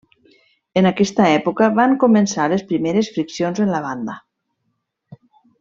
En aquesta època van començar les primeres friccions en la banda.